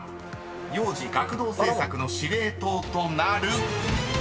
［幼児・学童政策の司令塔となる］